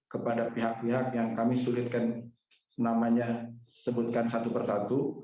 kepada pihak pihak yang kami sulitkan namanya sebutkan satu persatu